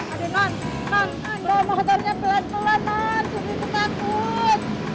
aduh non non motornya pelan pelan non surti tuh takut